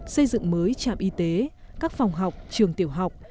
xây dựng mới trạm y tế các phòng học trường tiểu học